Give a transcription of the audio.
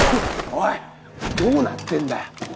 おいどうなってんだよ。